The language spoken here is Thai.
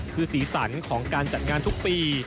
คือศีลสรรค์ของการจัดงานทุกปี